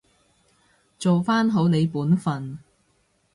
做返好你本分